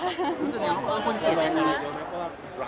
รู้สึกยังว่าคนเกลียดไหมคะ